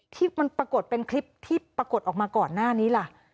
ที่มันปรากฏเป็นคลิปที่ปรากฏออกมาก่อนหน้านี้ล่ะ